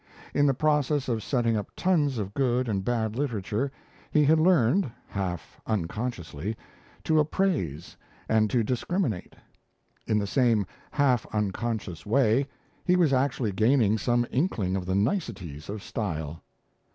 In the process of setting up tons of good and bad literature, he had learned half unconsciously to appraise and to discriminate. In the same half unconscious way, he was actually gaining some inkling of the niceties of style.